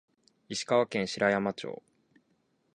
石川県白山市